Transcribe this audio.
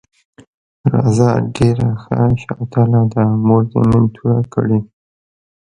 راځه ډېره ښه شوتله ده، مور دې نن توره کړې.